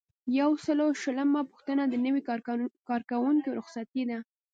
یو سل او شلمه پوښتنه د نوي کارکوونکي رخصتي ده.